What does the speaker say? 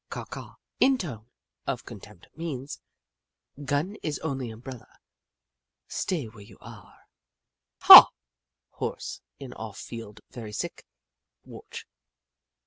Caw Caw — In a tone of contempt, means :" Gun is only umbrella. Stay where you are." Haw —" Horse in off field very sick. Watch."